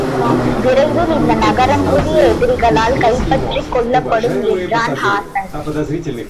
விரைவில் இந்த நகரம் புதிய எதிரிகளால் கைப்பற்றிக் கொள்ளப்படும் என்றான் ஹாஸான்.